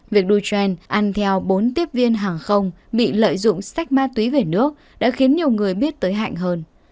việc đuchen ăn theo bốn tiếp viên hàng không bị lợi dụng sách ma túy về nước đã khiến nhiều người biết tới hạnh hơn